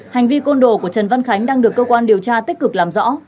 hành vi côn đồ của trần văn khánh đang được cơ quan điều tra tích cực làm rõ